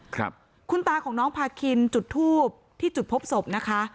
ครับคุณตาของน้องพาคินจุดทูบที่จุดพบศพนะคะ